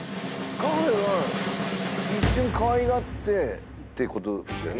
カフェは一瞬かわいがってってことだよね